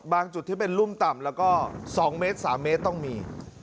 บางจุดที่เป็นรุ่มต่ำแล้วก็๒เมตรตั้งมี